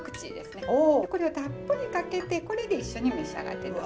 これをたっぷりかけてこれで一緒に召し上がって頂く。